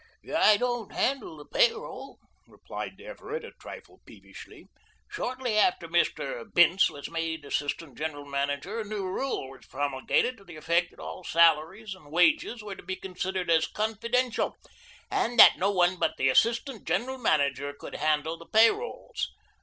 "I don't handle the pay roll," replied Everett a trifle peevishly. "Shortly after Mr. Bince was made assistant general manager a new rule was promulgated, to the effect that all salaries and wages were to be considered as confidential and that no one but the assistant general manager would handle the pay rolls.